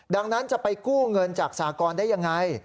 ดังนั้นจะไปกู้เงินจากสากรได้ยังไง